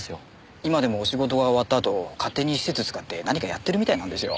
今でも仕事が終わったあと勝手に施設使って何かやってるみたいなんですよ。